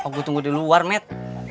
oh gue tunggu di luar net